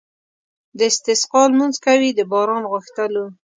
د استسقا لمونځ کوي د باران غوښتلو.